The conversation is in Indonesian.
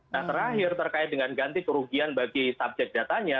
nah terakhir terkait dengan ganti kerugian bagi subjek datanya